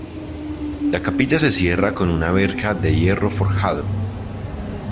La capilla se cierra con una verja de hierro forjado.